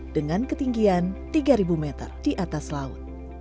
dengan ketinggian tiga meter di atas laut